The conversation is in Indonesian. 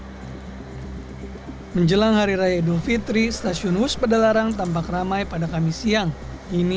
hai menjelang hari raya idul fitri stasiun wus pedalarang tampak ramai pada kami siang ini